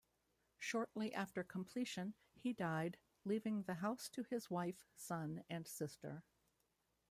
Shortly after completion, he died, leaving the house to his wife, son, and sister.